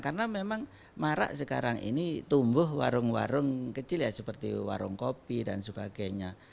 karena memang marak sekarang ini tumbuh warung warung kecil ya seperti warung kopi dan sebagainya